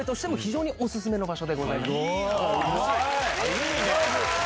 いいね！